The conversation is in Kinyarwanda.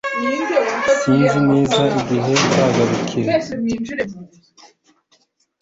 Sinzi neza igihe nzagarukira